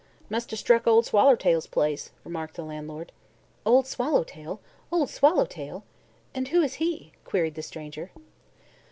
"Must 'a' struck Ol' Swallertail's place," remarked the landlord. "Old Swallowtail? Old Swallowtail? And who is he?" queried the stranger.